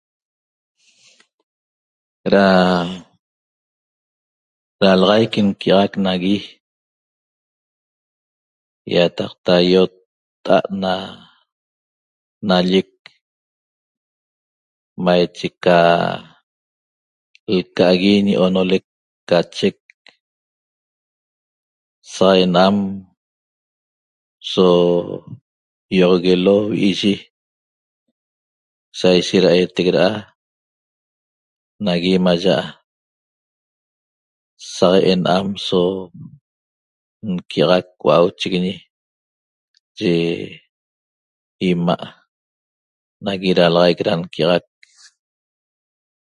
Da dalaxaic nquia'axaq nagui ýataqta ýotta'a't na nallec maiche ca lca'agui ñi oonolec ca chec saq ena'am so ýioxoguelo vi'i'yi saishet da eetec de'eda nagui maya' saq ena'am so nquia'axac hua'auchiguiñi yi 'ima' nagui dalaxaic da nquia'axac